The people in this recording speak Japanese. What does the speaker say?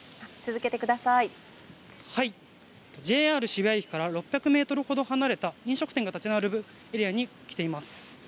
渋谷駅から６００ｍほど離れた飲食店が立ち並ぶエリアに来ています。